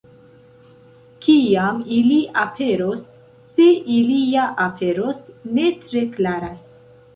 Kiam ili aperos, se ili ja aperos, ne tre klaras.